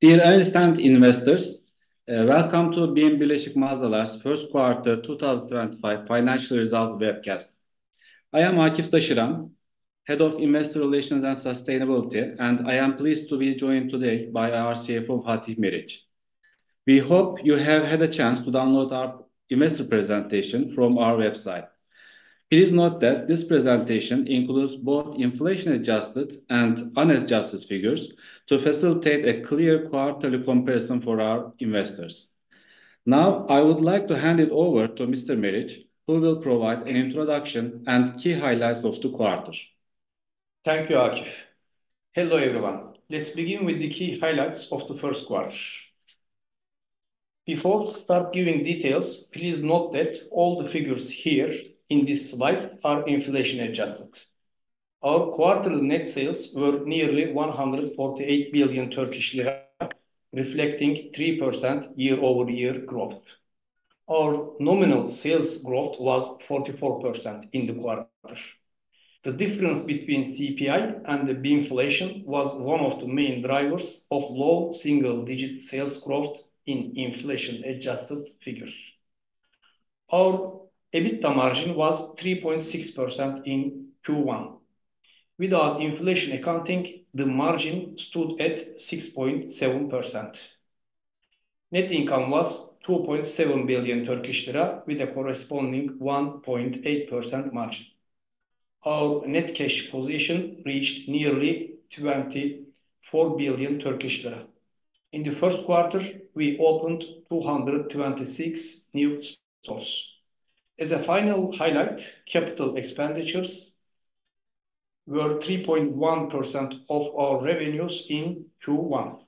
Dear Einstein Investors, welcome to BİM Birleşik Mağazalar's first quarter 2025 Financial Result Webcast. I am Akif Daşıran, Head of Investor Relations and Sustainability, and I am pleased to be joined today by our CFO, Fatih Meriç. We hope you have had a chance to download our investor presentation from our website. Please note that this presentation includes both inflation-adjusted and unadjusted figures to facilitate a clear quarterly comparison for our investors. Now, I would like to hand it over to Mr. Meriç, who will provide an introduction and key highlights of the quarter. Thank you, Akif. Hello everyone. Let's begin with the key highlights of the first quarter. Before we start giving details, please note that all the figures here in this slide are inflation-adjusted. Our quarterly net sales were nearly 148 billion Turkish lira, reflecting 3% year-over-year growth. Our nominal sales growth was 44% in the quarter. The difference between CPI and the BİM inflation was one of the main drivers of low single-digit sales growth in inflation-adjusted figures. Our EBITDA margin was 3.6% in Q1. Without inflation accounting, the margin stood at 6.7%. Net income was 2.7 billion Turkish lira, with a corresponding 1.8% margin. Our net cash position reached nearly 24 billion Turkish lira. In the first quarter, we opened 226 new stores. As a final highlight, capital expenditures were 3.1% of our revenues in Q1.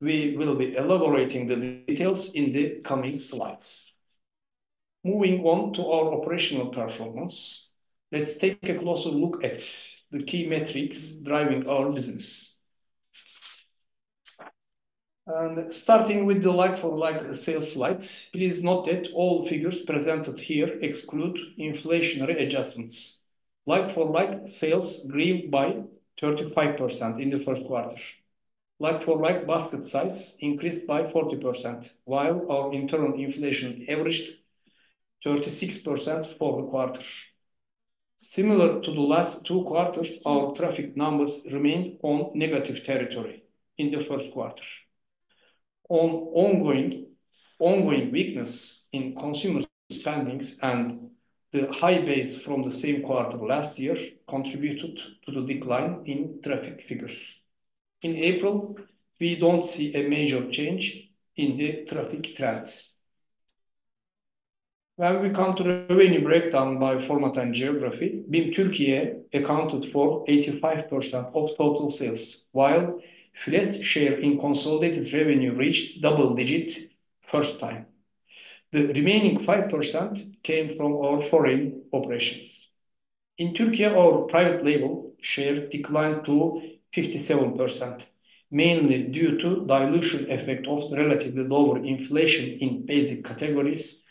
We will be elaborating the details in the coming slides. Moving on to our operational performance, let's take a closer look at the key metrics driving our business. Starting with the like-for-like sales slide, please note that all figures presented here exclude inflationary adjustments. Like-for-like sales grew by 35% in the first quarter. Like-for-like basket size increased by 40%, while our internal inflation averaged 36% for the quarter. Similar to the last two quarters, our traffic numbers remained in negative territory in the first quarter. Ongoing weakness in consumer spending and the high base from the same quarter last year contributed to the decline in traffic figures. In April, we do not see a major change in the traffic trend. When we come to revenue breakdown by format and geography, BİM Türkiye accounted for 85% of total sales, while FLEŞ share in consolidated revenue reached double digits for the first time. The remaining 5% came from our foreign operations. In Türkiye, our private label share declined to 57%, mainly due to the dilution effect of relatively lower inflation in basic categories,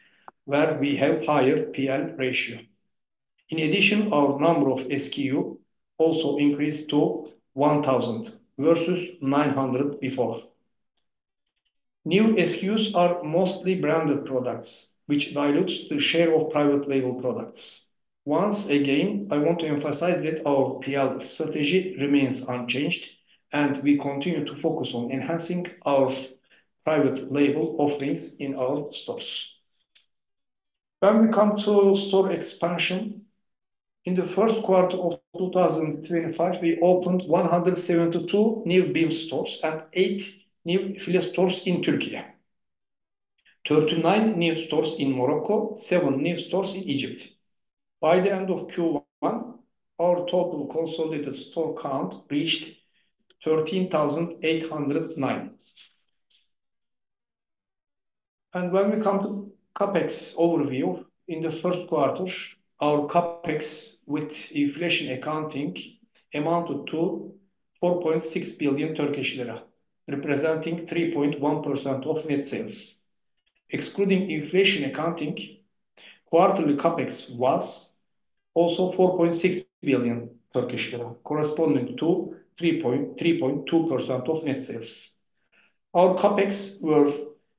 where we have a higher P/L ratio. In addition, our number of SKUs also increased to 1,000 versus 900 before. New SKUs are mostly branded products, which dilutes the share of private label products. Once again, I want to emphasize that our P/L strategy remains unchanged, and we continue to focus on enhancing our private label offerings in our stores. When we come to store expansion, in the first quarter of 2025, we opened 172 new BİM stores and 8 new FLEŞ stores in Türkiye, 39 new stores in Morocco, and 7 new stores in Egypt. By the end of Q1, our total consolidated store count reached 13,809. When we come to CapEx overview, in the first quarter, our CapEx with inflation accounting amounted to 4.6 billion Turkish lira, representing 3.1% of net sales. Excluding inflation accounting, quarterly CapEx was also 4.6 billion Turkish lira, corresponding to 3.2% of net sales. Our CapEx were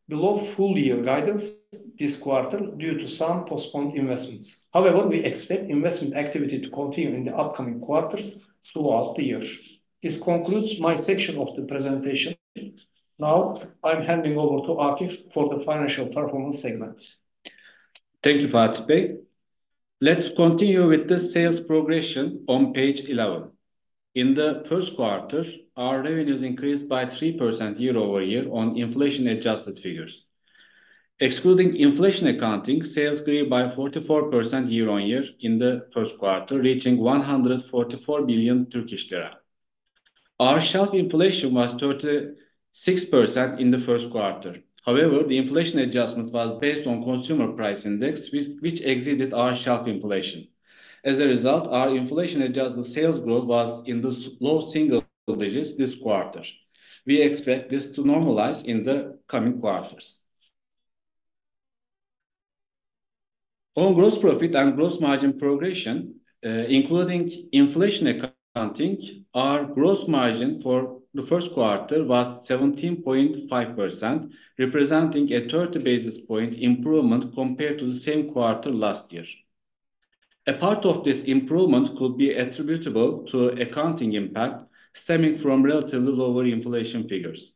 below full-year guidance this quarter due to some postponed investments. However, we expect investment activity to continue in the upcoming quarters throughout the year. This concludes my section of the presentation. Now, I'm handing over to Akif for the financial performance segment. Thank you, Fatih Bey. Let's continue with the sales progression on page 11. In the first quarter, our revenues increased by 3% year-over-year on inflation-adjusted figures. Excluding inflation accounting, sales grew by 44% year-on-year in the first quarter, reaching 144 billion Turkish lira. Our shelf inflation was 36% in the first quarter. However, the inflation adjustment was based on the Consumer Price Index, which exceeded our shelf inflation. As a result, our inflation-adjusted sales growth was in the low single digits this quarter. We expect this to normalize in the coming quarters. On gross profit and gross margin progression, including inflation accounting, our gross margin for the first quarter was 17.5%, representing a 30 basis point improvement compared to the same quarter last year. A part of this improvement could be attributable to accounting impact stemming from relatively lower inflation figures.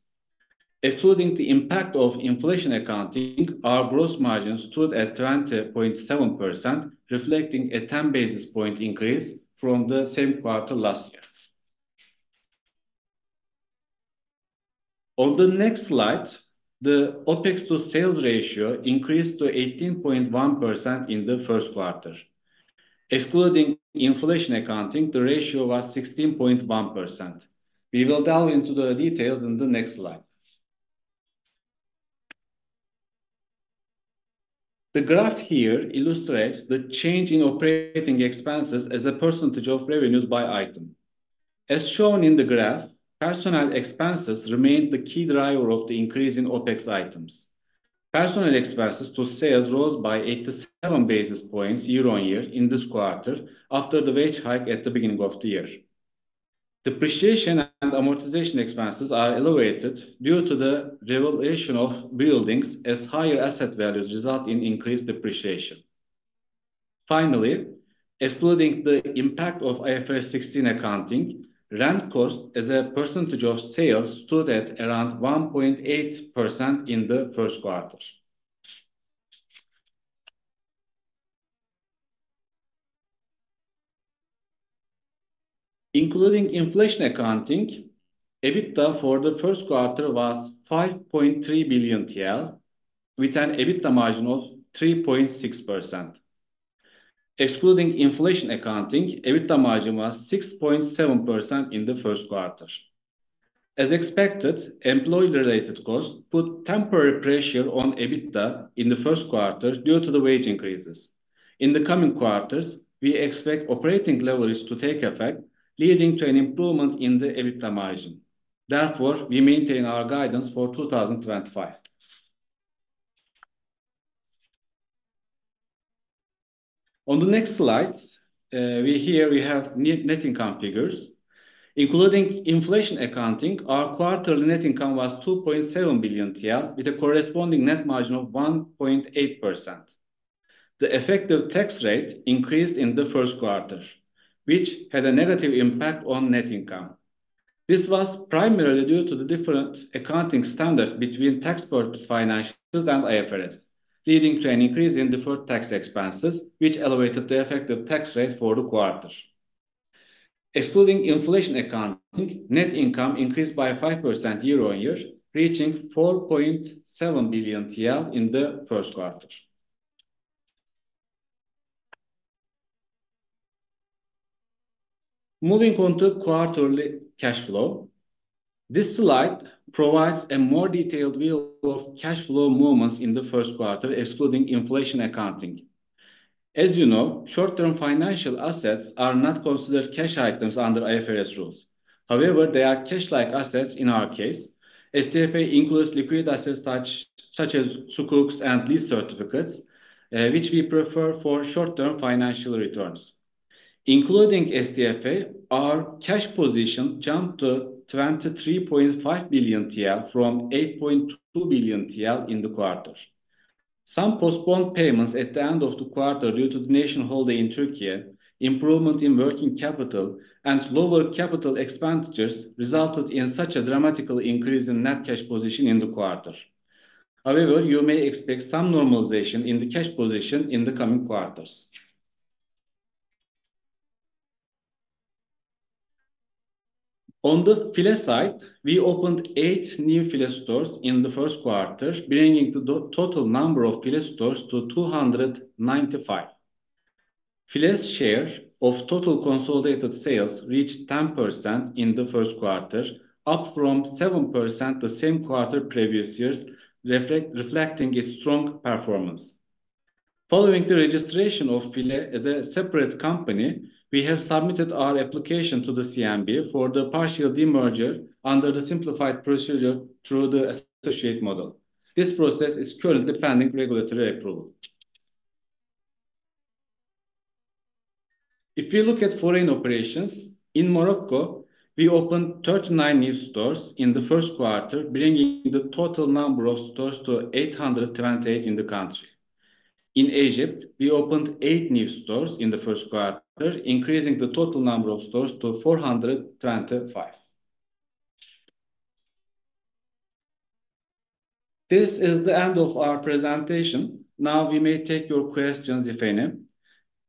Excluding the impact of inflation accounting, our gross margins stood at 20.7%, reflecting a 10 basis point increase from the same quarter last year. On the next slide, the OpEx to sales ratio increased to 18.1% in the first quarter. Excluding inflation accounting, the ratio was 16.1%. We will delve into the details in the next slide. The graph here illustrates the change in operating expenses as a percentage of revenues by item. As shown in the graph, personnel expenses remained the key driver of the increase in OpEx items. Personnel expenses to sales rose by 87 basis points year-on-year in this quarter after the wage hike at the beginning of the year. Depreciation and amortization expenses are elevated due to the revaluation of buildings as higher asset values result in increased depreciation. Finally, excluding the impact of IFRS 16 accounting, rent cost as a percentage of sales stood at around 1.8% in the first quarter. Including inflation accounting, EBITDA for the first quarter was 5.3 billion TL, with an EBITDA margin of 3.6%. Excluding inflation accounting, EBITDA margin was 6.7% in the first quarter. As expected, employee-related costs put temporary pressure on EBITDA in the first quarter due to the wage increases. In the coming quarters, we expect operating leverage to take effect, leading to an improvement in the EBITDA margin. Therefore, we maintain our guidance for 2025. On the next slide, here we have net income figures. Including inflation accounting, our quarterly net income was 2.7 billion TL, with a corresponding net margin of 1.8%. The effective tax rate increased in the first quarter, which had a negative impact on net income. This was primarily due to the different accounting standards between taxpayers' financials and IFRS, leading to an increase in deferred tax expenses, which elevated the effective tax rate for the quarter. Excluding inflation accounting, net income increased by 5% year-on-year, reaching 4.7 billion TL in the first quarter. Moving on to quarterly cash flow, this slide provides a more detailed view of cash flow movements in the first quarter, excluding inflation accounting. As you know, short-term financial assets are not considered cash items under IFRS rules. However, they are cash-like assets in our case. STFA includes liquid assets such as lease certificates, which we prefer for short-term financial returns. Including STFA, our cash position jumped to 23.5 billion TL from 8.2 billion TL in the quarter. Some postponed payments at the end of the quarter due to the national holiday in Türkiye, improvement in working capital, and lower capital expenditures resulted in such a dramatic increase in net cash position in the quarter. However, you may expect some normalization in the cash position in the coming quarters. On the FLEŞ side, we opened eight new FLEŞ stores in the first quarter, bringing the total number of FLEŞ stores to 295. FLEŞ share of total consolidated sales reached 10% in the first quarter, up from 7% the same quarter previous years, reflecting a strong performance. Following the registration of FLEŞ as a separate company, we have submitted our application to the CMB for the partial demerger under the simplified procedure through the associate model. This process is currently pending regulatory approval. If we look at foreign operations, in Morocco, we opened 39 new stores in the first quarter, bringing the total number of stores to 828 in the country. In Egypt, we opened eight new stores in the first quarter, increasing the total number of stores to 425. This is the end of our presentation. Now, we may take your questions, if any.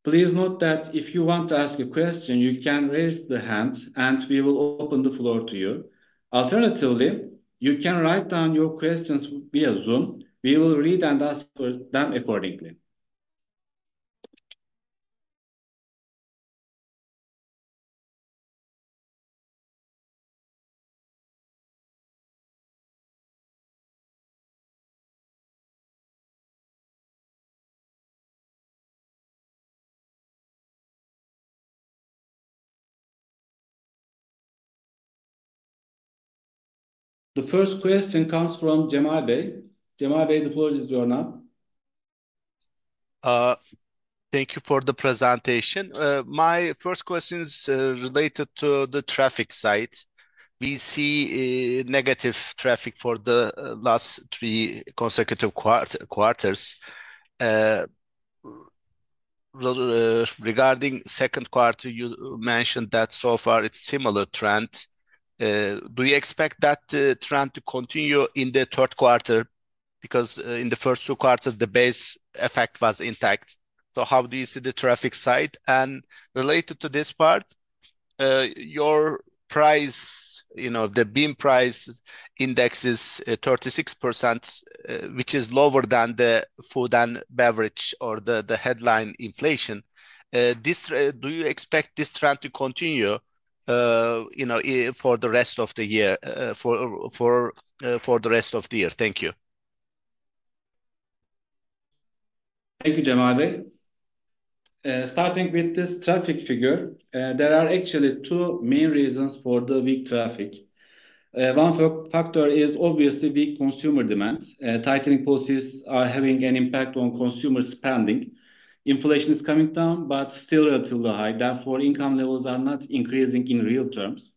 Please note that if you want to ask a question, you can raise the hand, and we will open the floor to you. Alternatively, you can write down your questions via Zoom. We will read and answer them accordingly. The first question comes from Cemal Bey. Cemal Bey, the floor is yours now. Thank you for the presentation. My first question is related to the traffic side. We see negative traffic for the last three consecutive quarters. Regarding the second quarter, you mentioned that so far it's a similar trend. Do you expect that trend to continue in the third quarter? Because in the first two quarters, the base effect was intact. How do you see the traffic side? And related to this part, your price, you know, the BİM price index is 36%, which is lower than the food and beverage or the headline inflation. Do you expect this trend to continue for the rest of the year, for the rest of the year? Thank you. Thank you, Cemal Bey. Starting with this traffic figure, there are actually two main reasons for the weak traffic. One factor is obviously weak consumer demand. Tightening policies are having an impact on consumer spending. Inflation is coming down, but still relatively high. Therefore, income levels are not increasing in real terms.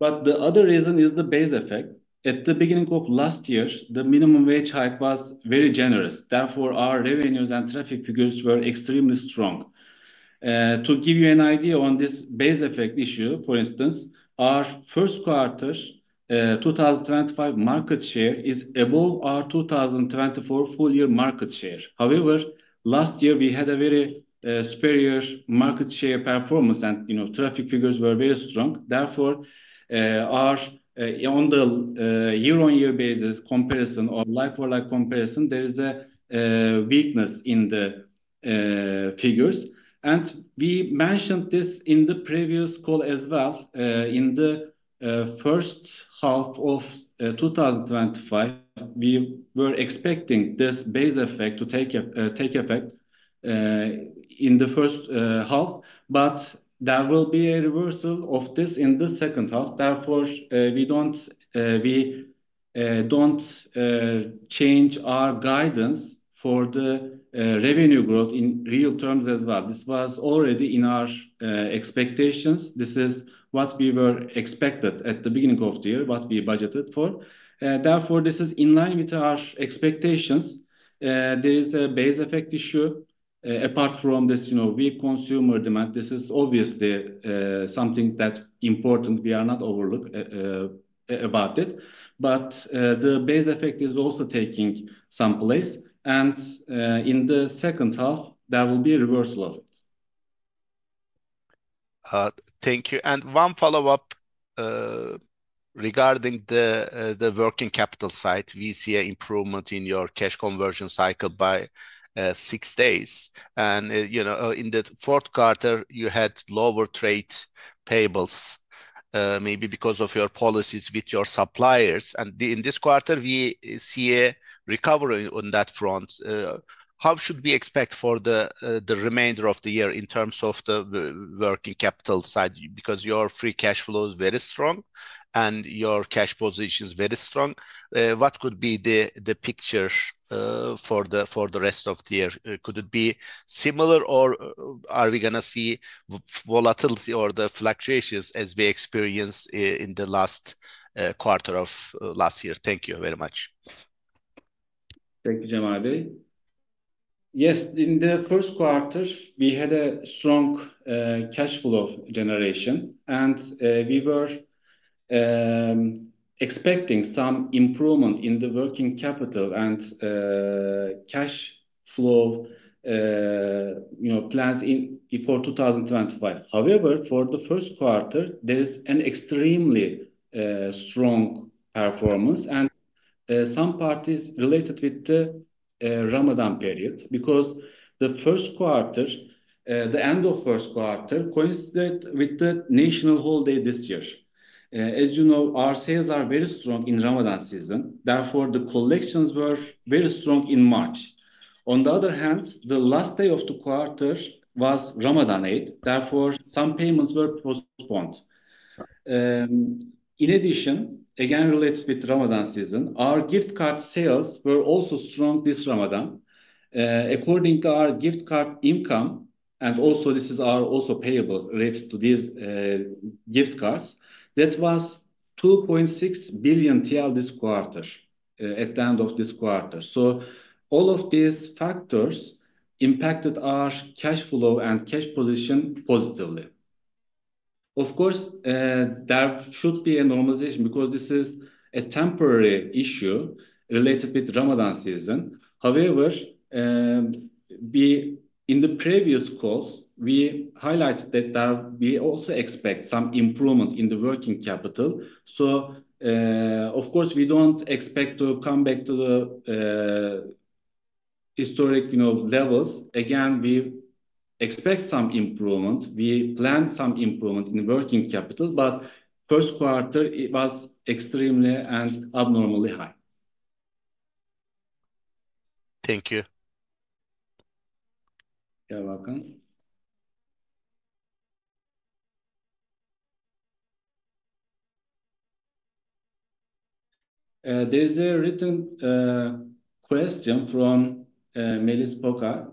The other reason is the base effect. At the beginning of last year, the minimum wage hike was very generous. Therefore, our revenues and traffic figures were extremely strong. To give you an idea on this base effect issue, for instance, our first quarter 2025 market share is above our 2024 full-year market share. However, last year, we had a very superior market share performance, and you know, traffic figures were very strong. Therefore, on the year-on-year basis comparison or like-for-like comparison, there is a weakness in the figures. We mentioned this in the previous call as well. In the first half of 2025, we were expecting this base effect to take effect in the first half, but there will be a reversal of this in the second half. Therefore, we do not change our guidance for the revenue growth in real terms as well. This was already in our expectations. This is what we expected at the beginning of the year, what we budgeted for. Therefore, this is in line with our expectations. There is a base effect issue. Apart from this, you know, weak consumer demand, this is obviously something that is important. We are not overlooking it. The base effect is also taking some place. In the second half, there will be a reversal of it. Thank you. One follow-up regarding the working capital side. We see an improvement in your cash conversion cycle by six days. You know, in the fourth quarter, you had lower trade payables, maybe because of your policies with your suppliers. In this quarter, we see a recovery on that front. How should we expect for the remainder of the year in terms of the working capital side? Your free cash flow is very strong and your cash position is very strong. What could be the picture for the rest of the year? Could it be similar or are we going to see volatility or the fluctuations as we experienced in the last quarter of last year? Thank you very much. Thank you, Cemal Bey. Yes, in the first quarter, we had a strong cash flow generation, and we were expecting some improvement in the working capital and cash flow plans before 2025. However, for the first quarter, there is an extremely strong performance and some parties related with the Ramadan period because the first quarter, the end of first quarter, coincided with the national holiday this year. As you know, our sales are very strong in Ramadan season. Therefore, the collections were very strong in March. On the other hand, the last day of the quarter was Ramadan 8. Therefore, some payments were postponed. In addition, again related with Ramadan season, our gift card sales were also strong this Ramadan. According to our gift card income, and also this is our also payable related to these gift cards, that was 2.6 billion TL this quarter at the end of this quarter. All of these factors impacted our cash flow and cash position positively. Of course, there should be a normalization because this is a temporary issue related with Ramadan season. However, in the previous calls, we highlighted that we also expect some improvement in the working capital. Of course, we do not expect to come back to the historic levels. Again, we expect some improvement. We planned some improvement in the working capital, but first quarter was extremely and abnormally high. Thank you. Yeah, welcome. There is a written question from Melis Pogar.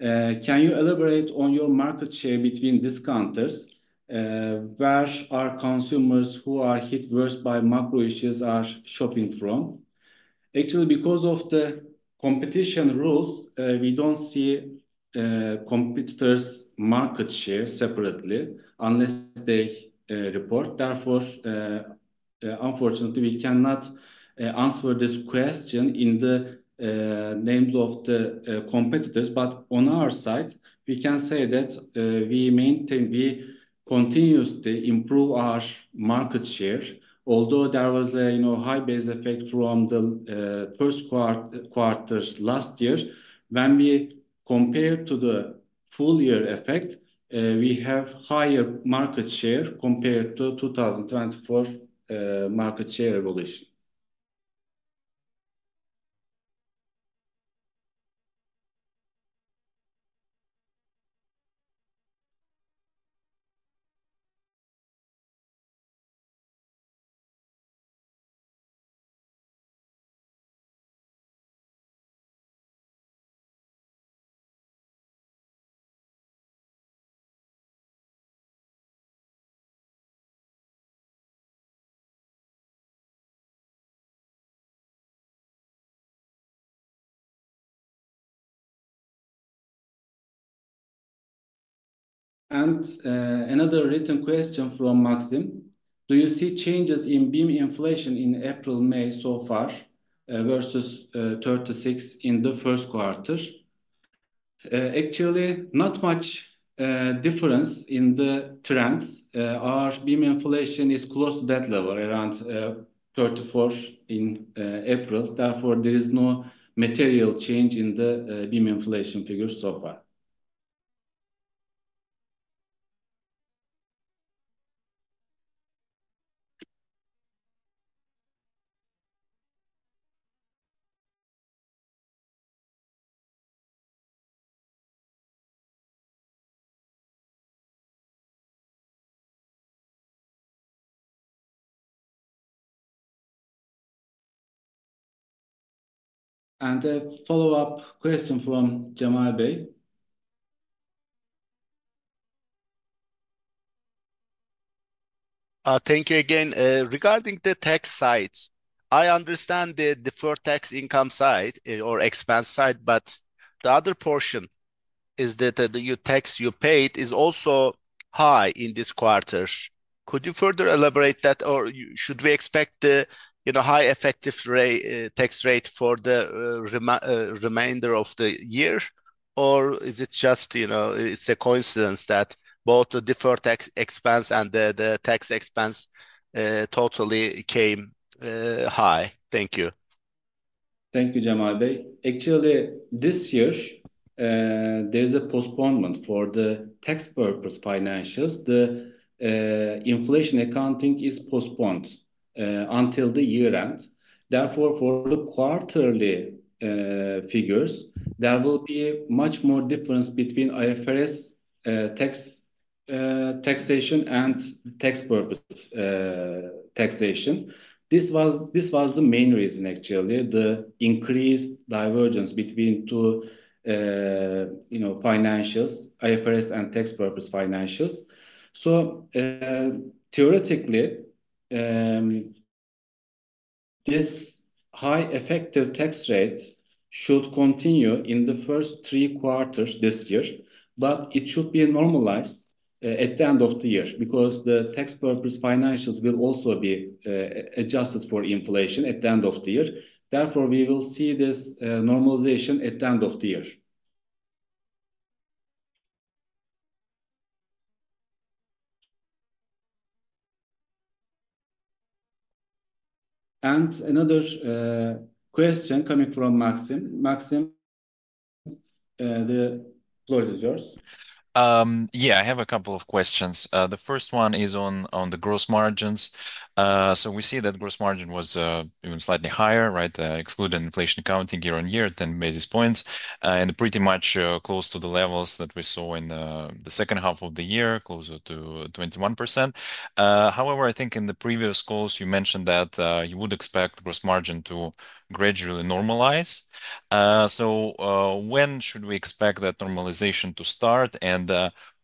Can you elaborate on your market share between discounters? Where are consumers who are hit worst by macro issues shopping from? Actually, because of the competition rules, we do not see competitors' market share separately unless they report. Therefore, unfortunately, we cannot answer this question in the names of the competitors. On our side, we can say that we continuously improve our market share, although there was a high base effect from the first quarter last year. When we compare to the full-year effect, we have a higher market share compared to the 2024 market share evolution. Another written question from Maxim. Do you see changes in BİM inflation in April, May so far versus 36% in the first quarter? Actually, not much difference in the trends. Our BİM inflation is close to that level, around 34% in April. Therefore, there is no material change in the BİM inflation figures so far. A follow-up question from Cemal Bey. Thank you again. Regarding the tax side, I understand the deferred tax income side or expense side, but the other portion is that the tax you paid is also high in this quarter. Could you further elaborate that, or should we expect the high effective tax rate for the remainder of the year, or is it just, you know, it's a coincidence that both the deferred tax expense and the tax expense totally came high? Thank you. Thank you, Cemal Bey. Actually, this year, there is a postponement for the tax purpose financials. The inflation accounting is postponed until the year end. Therefore, for the quarterly figures, there will be much more difference between IFRS taxation and tax purpose taxation. This was the main reason, actually, the increased divergence between two, you know, financials, IFRS and tax purpose financials. Theoretically, this high effective tax rate should continue in the first three quarters this year, but it should be normalized at the end of the year because the tax purpose financials will also be adjusted for inflation at the end of the year. Therefore, we will see this normalization at the end of the year. Another question coming from Maxim. Maxim, the floor is yours. Yeah, I have a couple of questions. The first one is on the gross margins. So we see that gross margin was even slightly higher, right? Excluding inflation accounting year on year, 10 basis points, and pretty much close to the levels that we saw in the second half of the year, closer to 21%. However, I think in the previous calls, you mentioned that you would expect the gross margin to gradually normalize. When should we expect that normalization to start?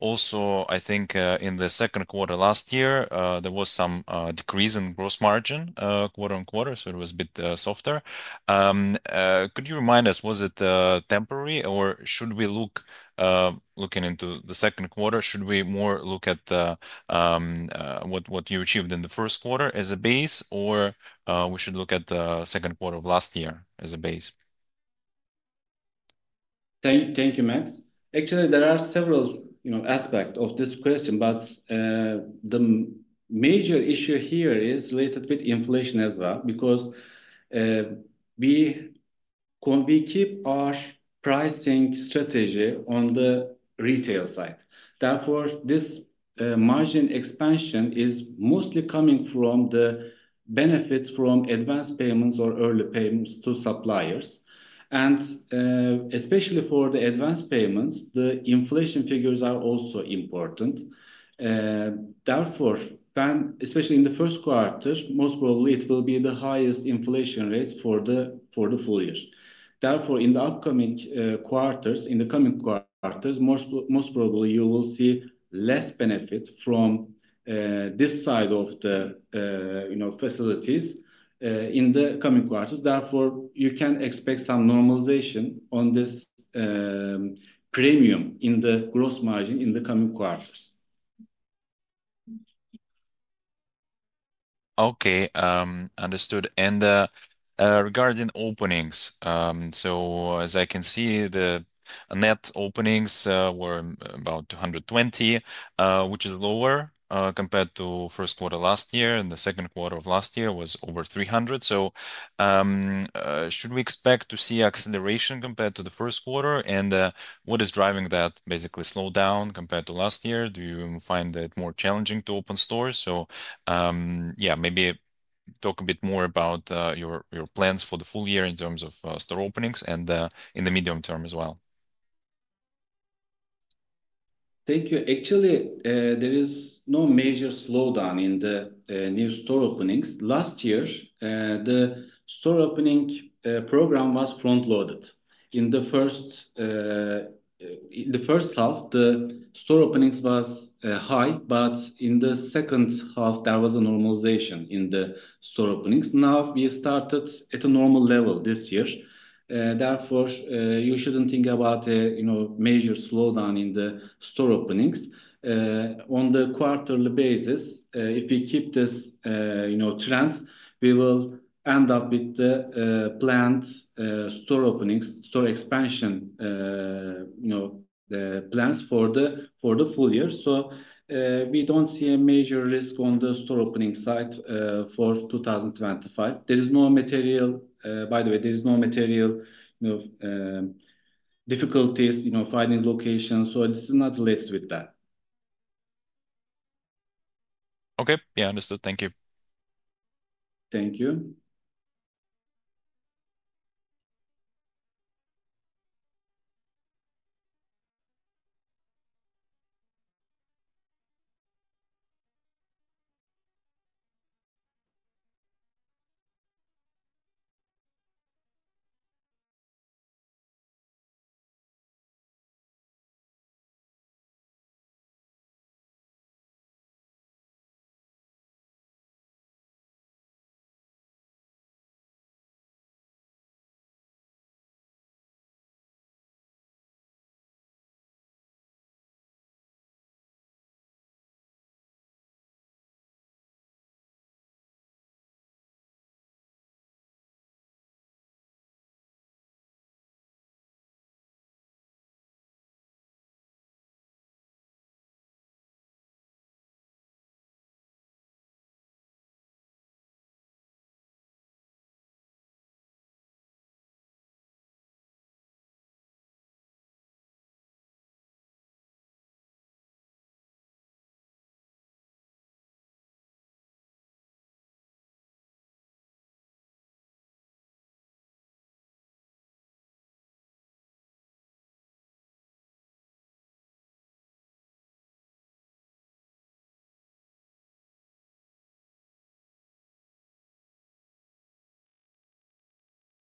Also, I think in the second quarter last year, there was some decrease in gross margin, quarter on quarter, so it was a bit softer. Could you remind us, was it temporary or should we look into the second quarter? Should we more look at what you achieved in the first quarter as a base, or we should look at the second quarter of last year as a base? Thank you, Max. Actually, there are several aspects of this question, but the major issue here is related with inflation as well because we keep our pricing strategy on the retail side. Therefore, this margin expansion is mostly coming from the benefits from advance payments or early payments to suppliers. Especially for the advance payments, the inflation figures are also important. Therefore, especially in the first quarter, most probably it will be the highest inflation rate for the full year. In the upcoming quarters, in the coming quarters, most probably you will see less benefit from this side of the facilities in the coming quarters. Therefore, you can expect some normalization on this premium in the gross margin in the coming quarters. Okay, understood. Regarding openings, as I can see, the net openings were about 220, which is lower compared to the first quarter last year, and the second quarter of last year was over 300. Should we expect to see acceleration compared to the first quarter? What is driving that basically slowdown compared to last year? Do you find it more challenging to open stores? Maybe talk a bit more about your plans for the full year in terms of store openings and in the medium term as well. Thank you. Actually, there is no major slowdown in the new store openings. Last year, the store opening program was front-loaded. In the first half, the store openings were high, but in the second half, there was a normalization in the store openings. Now we started at a normal level this year. Therefore, you should not think about a major slowdown in the store openings. On a quarterly basis, if we keep this trend, we will end up with the planned store openings, store expansion plans for the full year. We do not see a major risk on the store opening side for 2025. There is no material, by the way, there are no material difficulties finding location. This is not related with that. Okay, yeah, understood. Thank you. Thank you.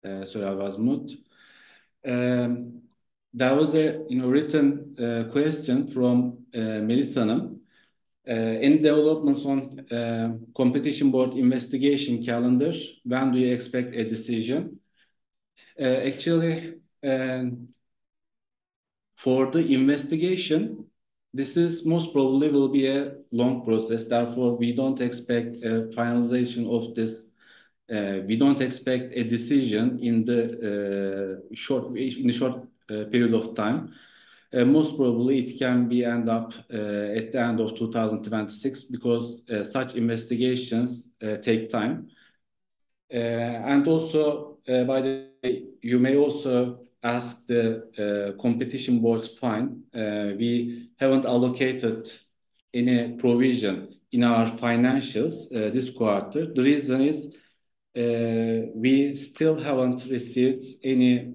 Sorry, I was muted. There was a written question from Melis Hanım. Any developments on the Competition Board investigation calendar? When do you expect a decision? Actually, for the investigation, this most probably will be a long process. Therefore, we do not expect a finalization of this. We do not expect a decision in the short period of time. Most probably, it can end up at the end of 2026 because such investigations take time. Also, by the way, you may also ask the Competition Board's fine. We have not allocated any provision in our financials this quarter. The reason is we still have not received any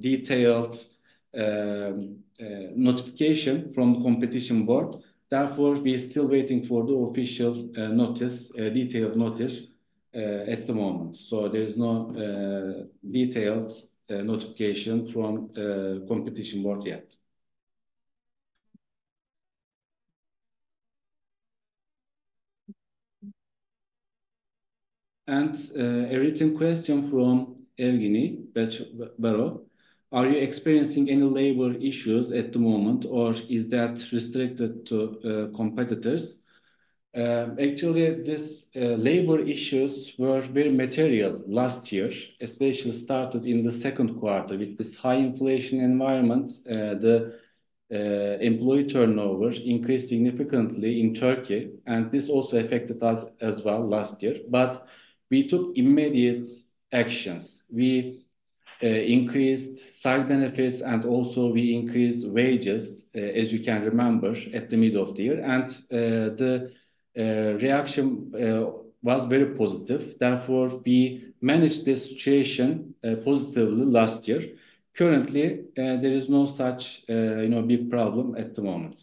detailed notification from the Competition Board. Therefore, we are still waiting for the official detailed notice at the moment. There is no detailed notification from the Competition Board yet. A written question from Evgeny Bero. Are you experiencing any labor issues at the moment, or is that restricted to competitors? Actually, these labor issues were very material last year, especially started in the second quarter with this high inflation environment. The employee turnover increased significantly in Türkiye, and this also affected us as well last year. We took immediate actions. We increased side benefits, and also we increased wages, as you can remember, at the middle of the year. The reaction was very positive. Therefore, we managed this situation positively last year. Currently, there is no such big problem at the moment.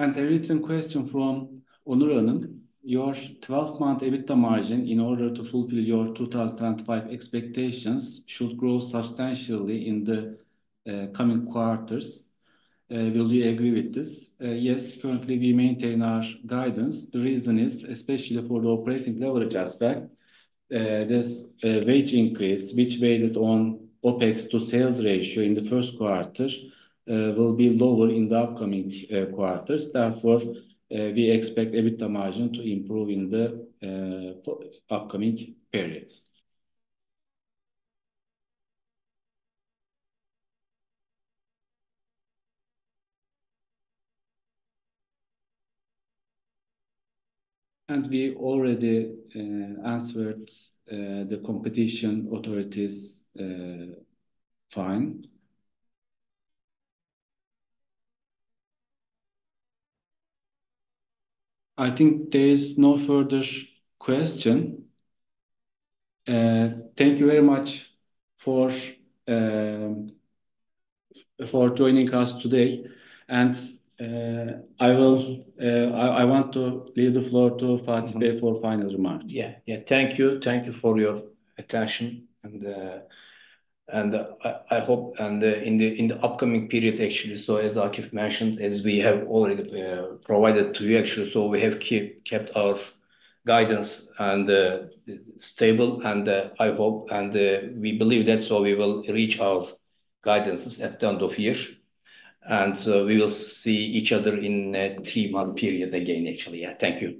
A written question from Onur Hanım. Your 12-month EBITDA margin, in order to fulfill your 2025 expectations, should grow substantially in the coming quarters. Will you agree with this? Yes, currently we maintain our guidance. The reason is, especially for the operating leverage aspect, this wage increase, which weighted on OpEx to sales ratio in the first quarter, will be lower in the upcoming quarters. Therefore, we expect EBITDA margin to improve in the upcoming periods. We already answered the competition authorities' fine. I think there is no further question. Thank you very much for joining us today. I want to leave the floor to Fatih Bey for final remarks. Yeah, thank you. Thank you for your attention. I hope in the upcoming period, actually, as Akif mentioned, as we have already provided to you, actually, we have kept our guidance stable. I hope and we believe that we will reach our guidances at the end of the year. We will see each other in a three-month period again, actually. Yeah, thank you.